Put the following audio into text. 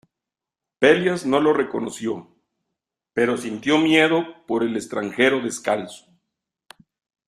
Pelias no lo reconoció, pero sintió miedo por el extranjero descalzo.